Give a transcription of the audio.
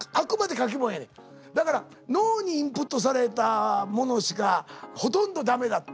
だから脳にインプットされたものしかほとんど駄目だって。